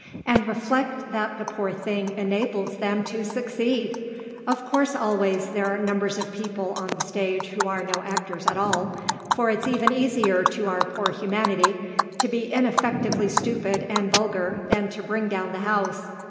And reflect that the poor thing enables them to succeed! Of course, always, there are numbers of people on the stage who are no actors at all, for it's even easier to our poor humanity to be ineffectively stupid and vulgar than to bring down the house."